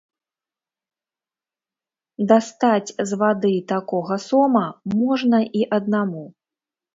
Дастаць з вады такога сома можна і аднаму.